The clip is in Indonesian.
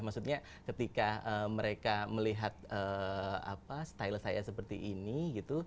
maksudnya ketika mereka melihat style saya seperti ini gitu